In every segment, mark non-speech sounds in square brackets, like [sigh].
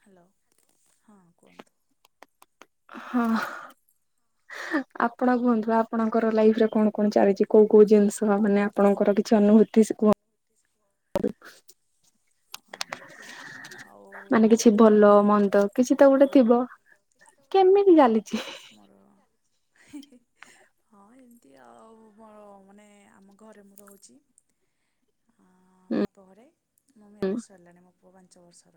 Hello ହଁ କୁହନ୍ତୁ। ହଁ। ଆପଣ କୁହନ୍ତୁ ଆପଣଙ୍କର ଲାଇଫ ରେ କଣ କଣ ଚାଲିଛି କୋଉ କୋଉ ଜିନିଷ ମାନେ ଆପଣଙ୍କର କିଛି ଅନୁଭୂତି କୁହ ମୁଁ ତ କଣ ଆଉ ଏମିତି ତ ଚାଲିଛି ଜୀବନ ମୋର କେମିତି ଚାଲିଛି? ମୋର ହଁ ଏମିତି ଆଉ ମୋର ମାନେ ଆମ ଘରେ ମୁଁ ରହୁଛି। ଆ ବାପ ଘରେ ମୋ ମ୍ୟାରେ ହେଲାଣି ମୋ ପୁଅ ପାଞ୍ଚ ବର୍ଷର,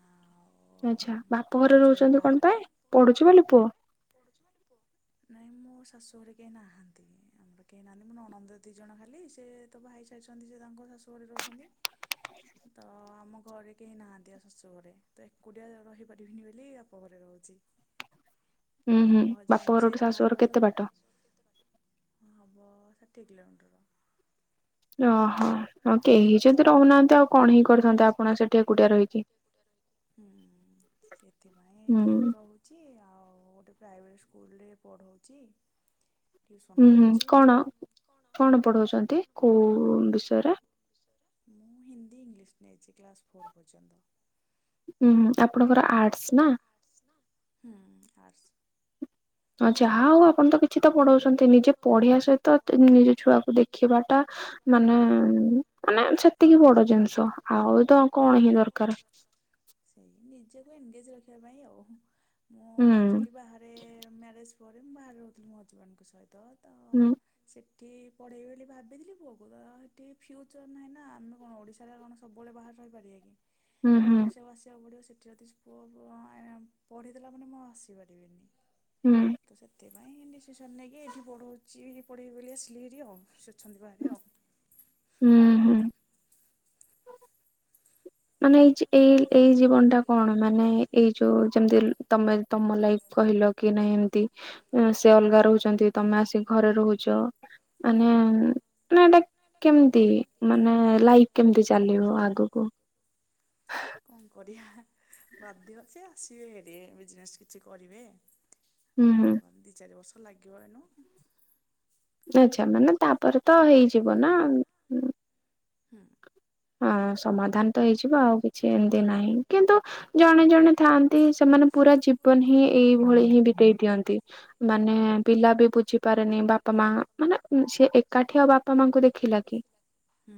ଆଉ ଆଚ୍ଛା ବାପ ଘରେ ରହୁଛନ୍ତି କଣ ପାଇଁ ପଢୁଛି ବୋଲି ପୁଅ? ନାଇଁ ମୋ ଶାଶୁଘରେ କେହି ନାହାନ୍ତି। ଆମର କେହି ନାହାନ୍ତି ମୋ ନଣନ୍ଦ ଦି ଜଣ ଖାଲି ସେ ତ ବହା ହେଇସାରିଛନ୍ତି ସେ ତାଙ୍କ ଶାଶୁଘରେ ରହୁଛନ୍ତି। ତ ଆମ ଘରେ କେହି ନାହାନ୍ତି ଶାଶୁ ଘରେ ତ ଏକୁଟିଆ ରହିପାରିବିନି ବୋଲି ବାପ ଘରେ ରହୁଛି। ଆଉ ମୋ ହଜବେଣ୍ଡ ସେ ବାହରେ ରହୁଛନ୍ତି। ହବ ଷାଠିଏ କିଲୋମିଟର। ଓହୋ ଆଉ କେହି ଯଦି ରହୁନାହାନ୍ତି ଆଉ କଣ ହିଁ କରିଥାନ୍ତେ ଆପଣ ସେଠି ଏକୁଟିଆ ରହିକି। ହୁଁ ସେଥିପାଇଁ ଏଠିଆ ରହୁ ଛି ଆଉ ଗୋଟେ ପ୍ରାଇଭେଟ୍ ସ୍କୁଲରେ ପଢ଼ଉଛି। ହୁଁ ହୁଁ କଣ କଣ ପଢଉଛନ୍ତି କୋଉ ବିଷୟରେ। ମୁଁ ହିନ୍ଦୀ ଇଂଲିଶ ନେଇଛି କ୍ଲାସ୍ ଫୋର୍ ପର୍ଯ୍ୟନ୍ତ। ଉ ଉୁଁ ଆପଣଙ୍କର ଆର୍ଟସ ନା? ହୁଁ ଆର୍ଟ୍ସ। ହଁ ଯାହା ହଉ ଆପଣ ତ କିଛି ତ ପଢଉଛନ୍ତି ନିଜେ ପଢିବା ସହିତ ନିଜ ଛୁଆକୁ ଦେ ଦେଖିବାଟା ମାନେ ମାନେ ସେ ଏତିକି ବଡ ଜିନିଷ ଆଉ ତ କଣ ହିଁ ଦରକାର। ସେଇ ନିଜକୁ ଏନଗେଜ ରଖିବା ପାଇଁ ଆଉ ମୁଁ ଆକ୍ଚୁଆଲି ବାହାରେ ମ୍ୟାରେଜ ପରେ ବାହାରେ ରହୁଥିଲୁ ହଜବେଣ୍ଡ ସହିତ ତ ହୁଁ। ସେଠି ପଢେଇବି ବୋଲି ଭାବିଥିଲି ପୁଅକୁ ତ ସେଠି ଫ୍ୟୁଚର ନାହିଁ ନା ଆମେ କଣ ଓଡିଶାରେ କଣ ସବୁବେଳେ ବାହାର ରହିପାରିବା କି? ଫୁଣି ଓଡିଶାକୁ ଆସିବାକୁ ପଡିବ ସେଠି ଯଦି ପୁଅ ପୁଅ ପଢ଼ିଦେଲା ମାନେ ମୁଁ ଆସିପାରିବିନି ତ ସେ ସେଥିପାଇଁ ଡିସିସନ ନେଇକି ଏଇଠି ପଢ଼ଉଛି ପଢ଼େଇି ବୋଲି ଆସିଲି ହେରି ଆଉ। ସେ ସଛନ୍ତି ବାହାରେ ଆଉ। ହୁଁ ହୁଁ। ମାନେ ଏଇ ଏଇ ଏଇ ଜୀବନ ଟା କଣ ମାନେ ଏଇ ଯୋଉ ଯେମିତି ତମେ ତମ ଲାଇଫ କହିଲ କି ନାଇଁ ଏମତି। ସେ ଅଲଗା ରହୁଛନ୍ତି, ତମେ ଆସିିକି ଘରେ ରହୁଛ। ଆାନେ ନାଟ କେମିତି? ମାନେ ଲାଇଫ କେମତି ଚାଲିବ ଆଗକୁ? କଣ କରିବା? ବାଧ୍ୟ। ସେ ଆସିବେ ହେରି ବିଜନେସ କିଛି କରିବେ ଚାରି ବର୍ଷ ଲାଗିବ ଏନୁ। ଆଛା ମାନେ ତାପରେ ତ ହେଇଯିବ ନା? ହୁଁ। ହଁ ସମାଧାନ ତ ହେଇଯିବ। ଆଉ କିଛି ଏମିତି ନାହିଁ। କିନ୍ତୁ ଜଣେ ଜଣେ ଥାଆନ୍ତି ସେମାନେ ପୁରା ଜୀବନ ହିଁ ଏଇଭଳି ହିଁ ବିତେଇ ଦିଅନ୍ତି। ମାନେ ପିଲା ବି ବୁଝି ପାରେନି, ବାପା ମା, ମାନେ ସିଏ ଏକାଠି ଆଉ ବାପା ମାଙ୍କୁ ଦେଖିଲା କି। ହୁଁ।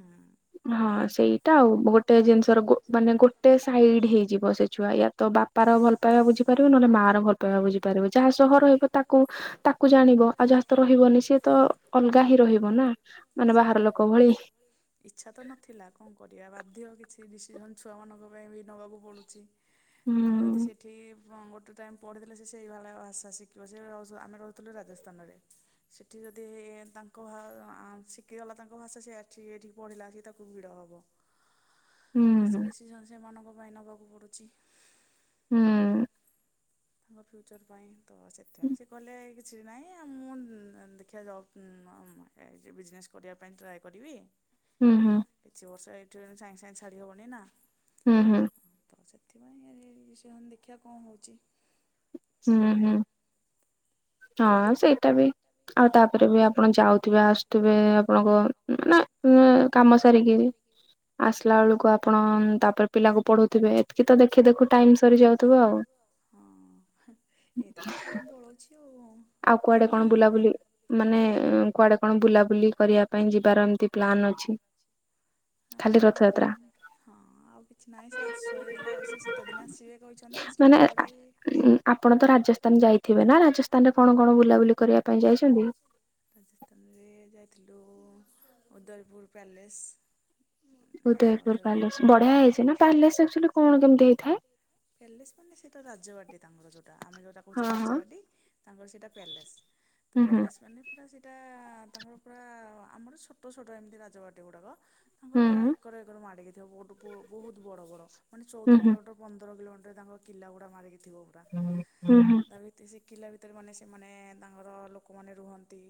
ହଁ ସେଇଟା ଆଉ। ଗୋଟେ ଜିନିଷର, ମାନେ ଗୋଟେ ସାଇଡ ହେଇଯିବ ସେ ଛୁଆ ୟା ତ ବାପାର ଭଲ ପାଇବା ବୁଝିପାରିବ, ନହଲେ ମା ର ଭଲ ପାଇବା ବୁଝିପାରିବ। ପାରିବ। ଯାହା ସହ ରହିବ ତାକୁ, ତାକୁ ଜାଣିବ ଆଉ ଯାହା ତ ରହିବନି ସିଏ ତ ଅଲଗା ହିଁ ରହିବ ନା। ତ ମାନେ ବାହାର ଲୋକ ଭଳି। ଇଚ୍ଛା ତ ନଥିଲା, କଣ କରିବା ବାଧ୍ୟ କିଛି ଡିସିଜନ ଛୁଆମାନଙ୍କ ପାଇଁ ବି ନେବାକୁ ପଡ଼ୁଛି। ଆମେ ଯଦି ସେଠି ଗୋଟେ ଟାଇମ୍ ପଢିଦେଲେ ସେ ସେଇଭାଳିଆ ଆସି ଶିଖିବ। ସେ ଆମେ ରହୁଥିଲୁ ରାଜସ୍ଥାନରେ। ସେଠି ଯଦି ତାଙ୍କ ଶିଖିଗଲା ତାଙ୍କ ଭାଷା ସେଠିକି ପଢିଲା ସେ ତା କୁ ଭିଡ ହବ। ହୁଁ। କିଛି ଡିସିଜନ ସେମାନଙ୍କ ପାଇଁ ନେବାକୁ ପଡ଼ୁଛି। ହୁଁ। ତାଙ୍କ ଫ୍ୟୁଚର ପାଇଁ। ତ ସେଥିପାଇଁ। ସେ କଲେ କିଛି ନାହିଁ ଆଉ ମୁଁ ଦେଖିବା ଜବ୍ ଏ ବିଜନେସ୍ କରିବା ପାଇଁ ଟ୍ରାଏ କରିବି। ହୁଁ ହୁଁ। କିଛି ବର୍ଷ ଏଇଠି ରହି, ସାଙ୍ଗେ ସାଙ୍ଗେ ଛାଡ଼ି ହବନି ନା। ହୁଁ ହୁଁ। ହଁ ତ ସେଥିପାଇଁ ସେ ଦେଖିବା କଣ ହେଉଛି। ହୁଁ ହୁଁ। ହଁ ସେଇଟା ବି। ଆଉ ତାପରେ ବି ଆପଣ ଯାଉଥିବେ, ଆସୁଥିବେ ଆପଣଙ୍କ ମାନେ କାମ ସାରିକିରି। ଆସିଲା ବେଳକୁ ଆପଣ ତାପରେ ପିଲାକୁ ପଢ଼ଉଥିବେ, ଏତିକି ତ ଦେଖି ଦେଖୁ ଟାଇମ୍ ସରି ଯାଉଥିବ ଆଉ। ହଁ ଏଥି ତ ଟାଇମ୍ ପଳଉଛି ଆଉ। ଆଉ କୁଆଡେ କଣ ବୁଲାବୁଲି ମାନେ କୁଆଡେ କଣ ବୁଲାବୁଲି କରିବା ପାଇଁ ଯିବାର ଏମିତି ପ୍ଲାନ ଅଛି? ଖାଲି ରଥଯାତ୍ରା। ହଁ ଆଉ କିଛି ନାହିଁ ସେ ଆସ ସେ ଶୀତ ଦିନ ଆସିବେ କହିଛନ୍ତି ଆସିଲା ପରେ ଆପଣ ତ ରାଜସ୍ଥାନ ଯାଇଥିବେ ନା? ରାଜସ୍ଥାନ ରେ କଣ କଣ, ବୁଲାବୁଲି କରିବା ପାଇଁ ଯାଇଛନ୍ତି? ରାଜସ୍ଥାନରେ ଯାଇଥିଲୁ, ଉଦୟପୁର ପ୍ୟାଲେସ୍। ଉଦୟପୁର ପା୍ୟାଲେସ ବଢିଆ ହେଇଛିନା। ପା୍ୟାଲେସ ସେକସନ କଣ କେମତି ହେଇଥାଏ? ଫେଲେସ୍ ମାନେ ସେଟା ରାଜବାଟି ତାଙ୍କର ସେଇଟା। ଆମେ ଯୋଉଟା କହୁଛେ ରାଜବାଟି। ତାଙ୍କର ସେଇଟା ପ୍ୟାଲେସ୍। ତ ପ୍ୟାଲେସ୍ ମାନେ? ପୁରା ସେଇଟା, ତାଙ୍କର ପୁରା ଆମର ଛୋଟ ଛୋଟ ଏମିତି ରାଜବାଟି ଗୁଡାକ। ତାଙ୍କର ପୁରା ଏକର ଏକର ମାଡ଼ିକି ଥିବ, ବୋହୁତ୍ ବଡ଼ ମାନେ ଚଉଦ କିଲୋମିଟର ପନ୍ଦର କିଲୋମିଟର ତାଙ୍କ କିଲା ଗୁଡା ମାରିକି ଥିବ ପୁରା। ତା ଭିତ ଏ କିଲା ଭିତରେ ମାନେ ସେମାନେ ତାଙ୍କର ଲୋକମାନେ ରୁହନ୍ତି।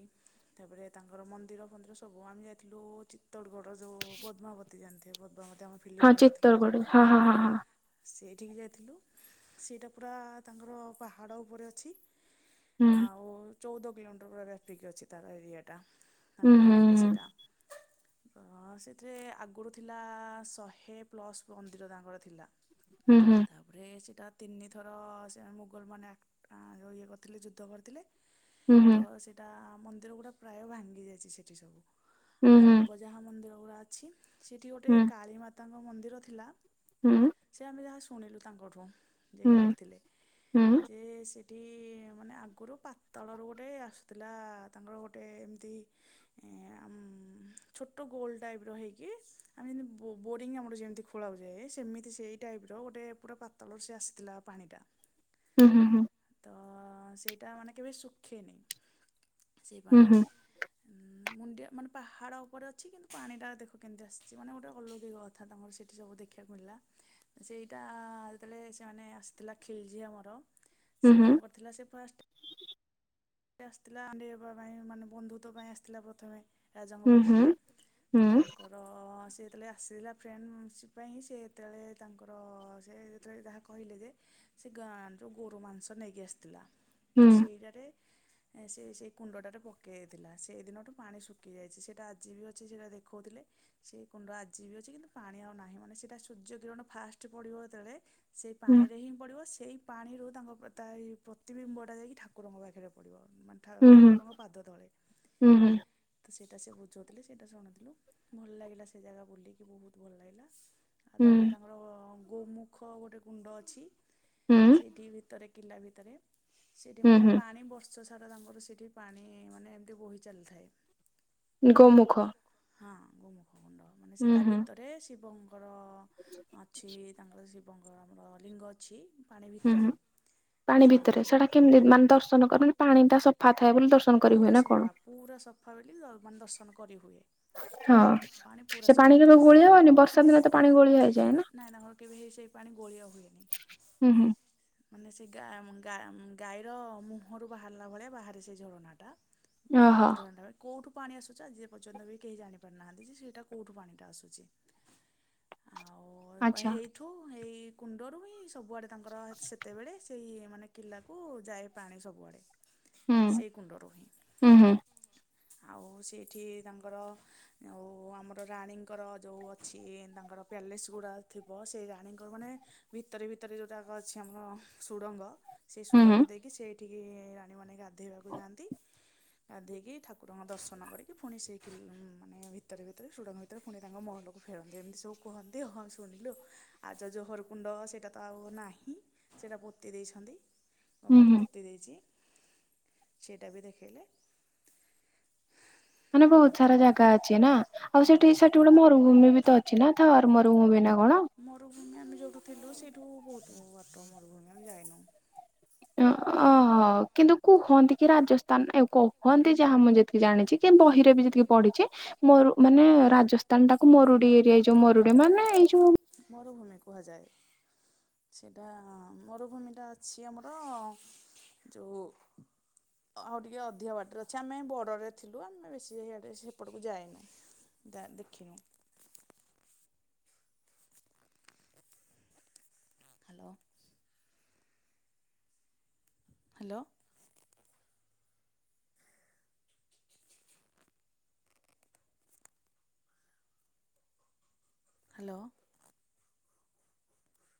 ତାପରେ ତାଙ୍କର ମନ୍ଦିର ଫନ୍ଦିର ସବୁ, ଆମେ ଯାଇଥିଲୁ ଚିତ୍ତଡ଼ଗଡ଼ ଯେଉଁ ପଦ୍ମାବତୀ ଜାଣିଥିବେ ପଦ୍ମାବତୀ ଆମ ହଁ ଚିତ୍ତଗଡ଼ ହଁ ହଁ ହଁ ହଁ। ସେଇଠିକି ଯାଇଥିଲୁ ସେଇଟା ପୁରା ତାଙ୍କର ପାହାଡ ଉପରେ ଅଛି। ଆଉ ଚୋଉଦ କିଲୋମିଟର ପୁରା ବ୍ୟାପିକି ଅଛି ତାର ଏରିଆଟା [unintelligible] ତ ସେଟା ର ସେଥିରେ ଆଗରୁ ଥିଲା ଶହେ ପ୍ଲସ୍ ମନ୍ଦିର ତାଙ୍କର ଥିଲା। ହୁଁ ହୁଁ। ତାପରେ ସେଟା ତିନିଥର ସେ ମୁୋଗଲମାନେ ଆ ଆ ଯୋଉ ଇଏ କରିଥିଲେ ଯୁଦ୍ଧ କରିଥିଲେ। ତ ସେଟା ମନ୍ଦିର ଗୁଡା ପ୍ରାୟ ଭାଙ୍ଗି ଯାଇଚି ସେଠି ସବୁ ଆଉ ଅ ଳ୍ପ ଜାହା ମନ୍ଦିର ଗୁଡା ଅଛି। ସେଇଠି ଗୋଟେ କାଳୀମାତାଙ୍କ ମନ୍ଦିର ଥିଲା। ହୁଁ। ସେ ଆମେ ଯାହା ଶୁଣିଲୁ ତାଙ୍କଠୁ ଯେ ଗାାଇଡ ଥିଲେ। ଯେ ସେଠି ମାନେ ଆଗରୁ ପାତଳରୁ ଗୋଟେ ଆସୁଥିଲା ତାଙ୍କର ଗୋଟେ ଏମିତି ଛୋଟ ଗୋଲ ଟାଇପର ହେଇକି ଆମେ ଯେମିତି ବୋରିଙ୍ଗ ଆମର ଯେମତି ଖୋଳା ହୁଏ ଯେ ସେମିତି ସେଇ ଟାଇପର ଗୋଟେ ପୁରା ପାତଳରୁ ସେ ଆସିଥିଲା ପାଣିଟା ଉଁ ହୁଁ ହୁଁ। ତ ସେଇଟା ମାନେ କେବେ ଶୁଖେନି ସେଇ ପାଣି। ଉଁ ମୁଣ୍ଡିଆ ମାନେ ପାହାଡ ଉପରେ ଅଛି କିନ୍ତୁ ପାଣି ଟା ଦେଖ କେମିତି ଆସିଚି ମାନେ ଗୋଟେ ଅଲୌକିକ କଥା ତମର ସେଠି ସବୁ ଦେଖିବାକୁ ମିିଲା। ସେଇଟା ଯେତେବେଳେ ସେମାନେ ଆସିଥିଲା ଖିଲି ଆମର ସେ କଣ କରିଥିଲା ସେ ଫାଷ୍ଟ ଆସିଥିଲା ଆମ୍ଭେ ହେବା ପାଇଁ ମାନେ ବନ୍ଧୁତ୍ୟ ପାଇଁ ଆସିଥିଲା ପ୍ରଥମେ। ରାଜାଙ୍କ ପାଖକୁ ତ ତାଙ୍କର ର ସେ ଯେତେବେଳେ ଆସିଥିଲା ଫ୍ରେଣ୍ଡସ୍ ପାଇଁ ସେ ଏତେବେଳେ ତାଙ୍କର ସେ ଯେତେବେଳେ ଯାହା କହିଲେ ଯେ ସେ ଗାଁରୁ ଗୋରୁ ମାଂସ ନେଇକି ଆସିଥିଲା ତ ସେଇଟାରେ ସେ ସେଇ କୁଣ୍ଡଟାରେ ପକେଇ ଦେଇଥିଲା ସେଇ ଦିନଠୁ ପାଣି ଶୁଖି ଯାଇଚି ସେଇଟା ଆଜି ବି ଅଛି ସେଇଟା ଦେଖୋଉଥିଲେ। ସେ କୁଣ୍ଡ ଆଜି ବି ଅଛି କିନ୍ତୁ ପାଣି ଆଉ ନାହିଁ ମାନେ ସେଇଟା ସୂର୍ଯ୍ୟ କିରଣ ଫାଷ୍ଟ ପଡିବ ଯେତେବେଳେ ସେଇ ପାଣିରେ ହିଁ ପଡିବ ସେଇ ପାଣିରୁ ତାଙ୍କ ପ୍ର ତା ଏଇ ପ୍ରତିିବିମ୍ୱଟା ଯାଇକି ଠାକୁରଙ୍କ ପାଖରେ ପଡିବ ମାନେ ଠା-ଠାକୁରଙ୍କ ପାଦ ତଳେ ତ ସେଇଟା ସେ ବୁଝଉଥିଲେ ସେଇଟା ଶୁଣୁଥିଲୁ ଭଲ ଲାଗିଲା। ସେ ଜାଗା ବୁଲିକି ବୋହୁତ ଭଲ ଲାଗିଲା। ଆଉ ତାପରେ ତାଙ୍କର ଗୋମୁଖ ଗୋଟେ କୁଣ୍ଡ ଅଛି। ସେଇଠି ଭିତରେ ଥିଲା ଭିତରେ ସେଠି ମାନେ ପାଣି ବ ର୍ଷ ସାରା ତାଙ୍କର ସେଇଠି ପାଣି ମାନେ ଏମିତି ବୋହି ଚାଲିଥାଏ। ଗୋମୁଖ। ହଁ ଗୋମୁଖ କୁଣ୍ଡ ମାନେ ସେ ତା ଭିତରେ ଶିବଙ୍କର ଅଛି ତାଙ୍କ ଶିବଙ୍କ ଆମର ଲିଙ୍ଗ ଅଛି। ପାଣି ଭିତରେ ସେ କେମିତି ମାନେ ଦର୍ଶନ କରେ ପାଣି ଟା ସଫା ଥାଏ ବୋଲି ଦର୍ଶନ କରି ହୁଏ ନା କଣ? ପୁରା ସଫା ବୋଲି ମାନେ ଦର୍ଶନ କରିହୁଏ। ହଁ ସେ ପାଣି କେବେ ଗୋଳିଆ ହବନି ବର୍ଷା ଦିନ ତ ପାଣି ଗୋଳିଆ ହେଇଯାଏ ନା। ନା ନା ହୋଉ କେବେ ହେଇ ସେଇ ପାଣି ଗୋଳିଆ ହୁଏନି। ହୁଁ ହୁଁ। ମାନେ ସେ ଗା ଉଁ-ଗା ଉଁ ଗାଈର ମୁହଁରୁ ବାହାରିଲା ଭଳିଆ ବାହାରେ ସେ ଝରଣାଟା। ଓହୋ। ଝରଣା ଟାପା କେଉଠୁ ପାଣି ଆସୁଚ ଆଜି ପର୍ଯ୍ୟନ୍ତ ବି କେହି ଜାଣିପାରୁନାହାନ୍ତି। ଯେ ସେଇଟା କୋଉଠୁ ପାଣିଟା ଆସୁଚି। ଆଉ ହେଇ ଠୁ ଏଇ କୁଣ୍ଡରୁ ହିଁ ସବୁଆଡେ ତାଙ୍କର ହେ ସେତେବେଳେ ସେଇ ମାନେ କିଲାକୁ ଯାଏ। ପାଣି ସବୁଆଡେ। ସେଇ କୁଣ୍ଡରୁ ହିଁ ଆଉ ସେଇଠି ତାଙ୍କର ଆଉ ଆମର ରାଣୀଙ୍କର ଯୋଉ ଅଛି ତାଙ୍କର ପ୍ୟାଲେସ୍ ଗୁଡା ଥିବ ସେଇ ରାଣୀଙ୍କର ମାନେ ଭିତରେ ଭିତରେ ଯୋଉଟାଗ ଅଛି ଆମର ସୁଡଙ୍ଗ ସେ ସୁଡଙ୍ଗ ଦେଇକି ସେଇଠିକି ରାଣୀମାନେ ଗାଧେଇବାକୁ ଯାଆନ୍ତି। ଗାଧେଇକି ଠାକୁରଙ୍କ ଦର୍ଶନ କରିକି ପୁଣି ସେଇଟି ମାନେ ଭିତରେ ଭିତରେ ସୁଡ଼ଙ୍ଗ ହେଇ ପୁଣି ତାଙ୍କ ମହଲକୁ ଫେରନ୍ତି ଏମିତି ସବୁ କୁହନ୍ତି ହଁ ଶୁଣିଲୁ ଆଛା ଯୋଉ ହରକୁଣ୍ଡ ସେଇଟା। ତ ଆଉ ନାହିଁ ସେଇଟା ପୋତି ଦେଇଛନ୍ତି ଗଭର୍ଣ୍ଣମେଣ୍ଟ ପୋତି ଦେଇଛି। ସେଇଟା ବି ଦେଖେଇଲେ। ମାନେ ବହୁତ ସାରା ଜାଗା ଅଛି ନା ଆଉ ସେଠି ସେଠି ଗୋଟେ ମରୁଭୂମି ବି ତ ଅଛି ନା ଥାର ମରୁଭୂମି ନା କଣ? ମରୁଭୂମି ଆମେ ଯୋଉଠୁ ଥିଲୁ ସେଇଠୁ ବହୁତ ବାଟ ମରୁଭୂମି ଆମେ ଯାଇନୁ। ଅହୋ କିନ୍ତୁ କୁହନ୍ତି କି ରାଜସ୍ଥାନ ଆଉ କୁହନ୍ତି ଯାହା ମୁଁ ଯେତିକି ଜାଣିଛି। କି ବହିରେ ବି ଯେତିକି ପଢିଛି ମୋର ମାନେ ରାଜ ସ୍ଥାନ ତାକୁ ମରୁଡି ଏରିଆଇ ଯୋଉ ମରୁଡି ମାନେ ଏଇ ଯୋଉ ମରୁଭୂମି କୁହାଯାଏ। ସେଇଟା ମରୁଭୂମିଟା ଅଛି ଆମର ଯୋଉ ଆଉ ଟିକେ ଅଧିକା ବାଟରେ ଅଛି ଆମେ ବଡ଼ରେ ଥିଲୁ ଆମେ ବେଶୀ ସେଇଆଡ଼େ ସେପଟକୁ ଯାଇନୁ। ତାର ଦେଖିନୋଉ। ହ୍ୟାଲୋ। ହ୍ୟାଲୋ। [inaudible] ହ୍ୟାଲୋ।